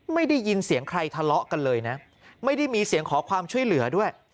ไม่ได้ยินเสียงใครทะเลาะกันเลยนะไม่ได้มีเสียงขอความช่วยเหลือด้วย